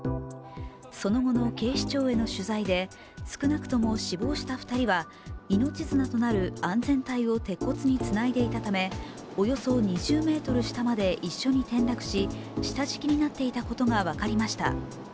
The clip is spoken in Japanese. その後の警視庁への取材で、少なくとも死亡した２人は命綱となる安全帯を鉄骨につないでいたためおよそ２０ｍ下まで一緒に転落し下敷きになっていたことが分かりました。